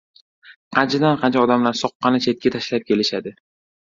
Qanchadan qancha odamlar soqqani chetga tashlab kelishadi.